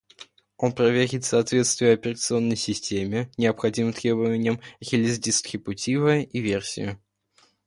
Он проверит соответствие операционной системе необходимым требованиям, релиз дистрибутива и версию